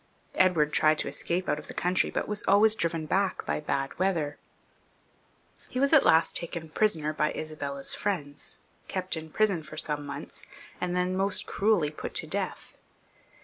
Edward tried to escape out of the country, but was always driven back by bad weather. He was at last taken prisoner by Isabella's XXIV.] CHARLES IK {LE BEL). 151 Mends, kept in prison for some months, and then most cruelly put to death.